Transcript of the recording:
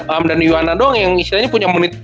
hamdan yuwana doang yang istilahnya punya menit